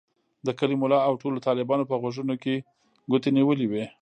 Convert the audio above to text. د کلي ملا او ټولو طالبانو په غوږونو کې ګوتې نیولې وې.